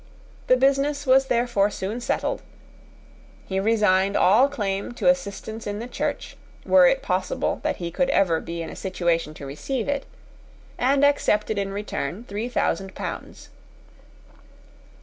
The business was therefore soon settled. He resigned all claim to assistance in the church, were it possible that he could ever be in a situation to receive it, and accepted in return three thousand pounds.